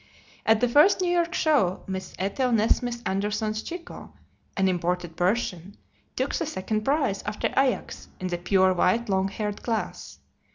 At the first New York show, Miss Ethel Nesmith Anderson's Chico, an imported Persian, took the second prize, after Ajax, in the pure white, longhaired class.